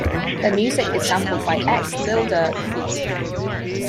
Their music is sampled by ex Lil Durk feat.